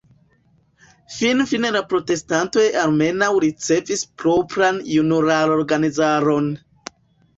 Finfine la protestantoj almenaŭ ricevis propran junularorganizaron.